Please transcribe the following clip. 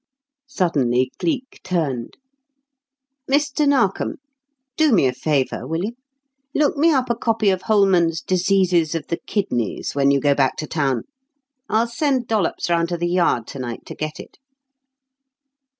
Suddenly Cleek turned. "Mr. Narkom, do me a favour, will you? Look me up a copy of Holman's 'Diseases of the Kidneys' when you go back to town. I'll send Dollops round to the Yard to night to get it."